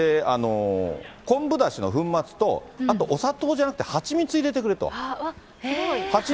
昆布だしの粉末と、あと、お砂糖じゃなくて、蜂蜜入れてくれと。